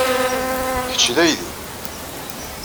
Kečč d aydi.